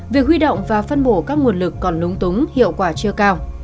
việc huy động và phân bổ các nguồn lực còn lúng túng hiệu quả chưa cao